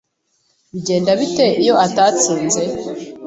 Bigenda bite iyo atatsinze?